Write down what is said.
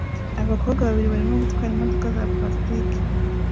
Abakobwa babiri barimo gutwara imodoka za plastiki